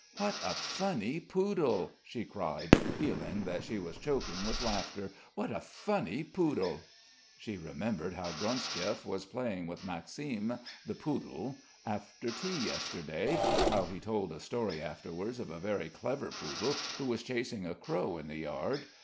"What a funny poodle!" she cried, feeling that she was choking with laughter. "What a funny poodle!" She remembered how Gronsdiev was playing with Maxim the poodle after tea yesterday; how he told a story afterwards of a very clever poodle who was chasing a crow in the yard.